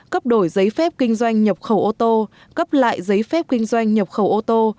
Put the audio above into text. cấp đổi giấy phép kinh doanh nhập khẩu ô tô cấp lại giấy phép kinh doanh nhập khẩu ô tô